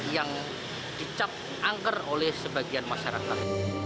yang dicap angker oleh sebagian masyarakat